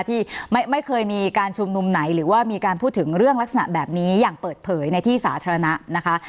ที่ไม่เคยมีการชุมนุมไหนหรือว่ามีการพูดถึงเรื่องลักษณะแบบนี้อย่างเปิดเผยในที่สาธารณะนะคะ